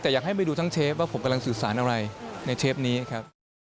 แต่อยากให้ไปดูทั้งเชฟว่าผมกำลังสื่อสารอะไรในเชฟนี้ครับ